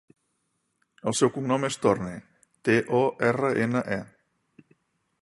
El seu cognom és Torne: te, o, erra, ena, e.